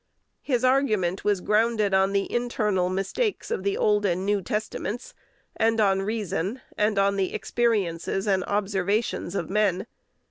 His argument was grounded on the internal mistakes of the Old and New Testaments, and on reason, and on the experiences and observations of men.